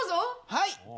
はい。